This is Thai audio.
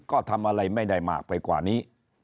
ก็ทำอะไรไม่ได้มากไปกว่านี้